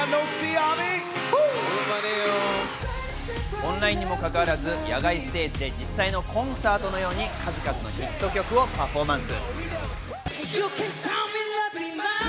オンラインにもかかわらず野外ステージで実際のコンサートのように数々のヒット曲をパフォーマンス。